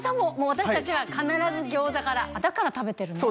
私達は必ず餃子からだから食べてるの？